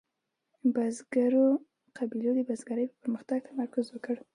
بزګرو قبیلو د بزګرۍ په پرمختګ تمرکز وکړ.